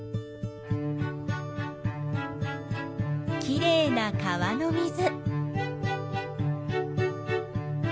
きれいな川の水。